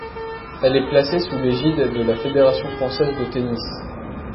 Elle est placée sous l'égide de la Fédération française de tennis.